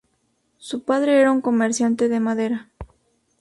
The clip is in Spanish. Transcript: Su padre era un comerciante de madera.